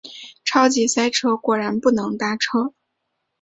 超级塞车，果然不能搭车